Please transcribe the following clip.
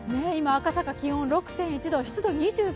今赤坂、気温６．１度。